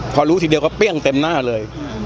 พอรู้ทีเดียวก็เปรี้ยงเต็มหน้าเลย